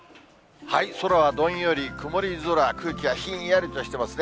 空はどんより曇り空、空気はひんやりとしてますね。